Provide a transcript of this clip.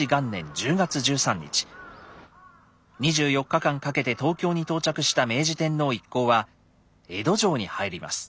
２４日間かけて東京に到着した明治天皇一行は江戸城に入ります。